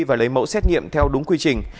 và lấy mẫu xét nghiệm theo đúng quy trình